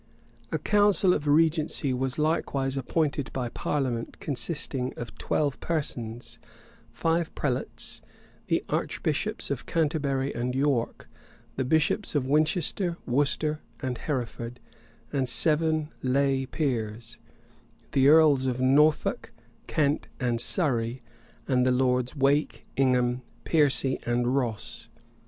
* Rymer, vol. iv. p. 245, 267, 258, etc. A council of regency was likewise appointed by parliament, consisting of twelve persons; five prelates, the archbishops of Canterbury and York, the bishops of Winchester, Worcester, and Hereford; and seven lay peers, the earls of Norfolk, Kent, and Surrey, and the lords Wake, Ingham, Piercy, and Ross.